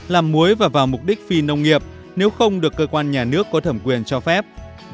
làm muối và vào mục đích phi nông nghiệp nếu không được cơ quan nhà nước có thẩm quyền cho phép